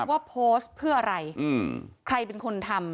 ว่าโพสต์เพื่ออะไรใครเป็นคนทำ